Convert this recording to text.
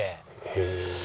へえ。